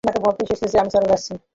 তোমাকে বলতে এসেছি যে, আমি চলে যাচ্ছি।